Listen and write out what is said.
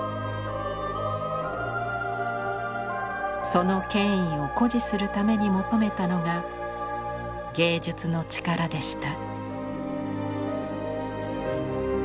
その権威を誇示するために求めたのが芸術の力でした。